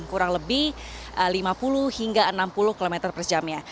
kurang lebih lima puluh hingga enam puluh km per jamnya